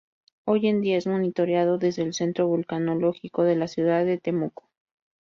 Hoy en día es monitoreado desde el centro vulcanológico de la ciudad de Temuco.